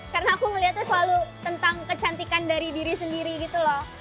karena aku melihatnya selalu tentang kecantikan dari diri sendiri gitu loh